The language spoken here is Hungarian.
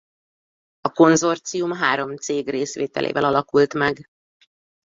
A konzorcium három cég részvételével alakult meg.